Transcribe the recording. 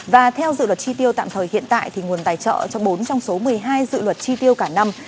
và theo dự luật chi tiêu tạm thời hiện tại thì nguồn tài trợ cho bốn trong số một mươi hai dự luật chi tiêu cả năm